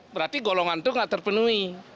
berarti golongan itu tidak terpenuhi